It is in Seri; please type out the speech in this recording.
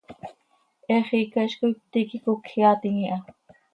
He xiica hizcoi ptiiqui cocjeaatim iha.